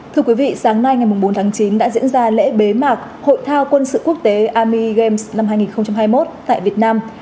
thưa quý vị sáng nay ngày bốn tháng chín đã diễn ra lễ bế mạc hội thao quân sự quốc tế army games năm hai nghìn hai mươi một tại việt nam